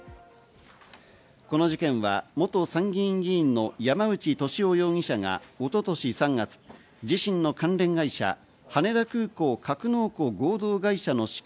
この事件は元参議院議員の山内俊夫容疑者が一昨年３月、自身の関連会社、羽田空港格納庫合同会社の資金